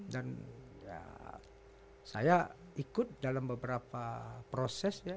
dan ya saya ikut dalam beberapa proses ya